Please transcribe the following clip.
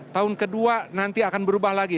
tahun kedua nanti akan berubah lagi